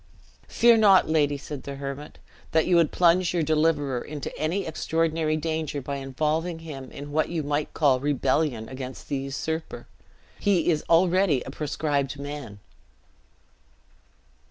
"Fear not, lady," said the hermit, "that you would plunge your deliverer into any extraordinary danger by involving him in what you might call rebellion against the usurper. He is already a proscribed man."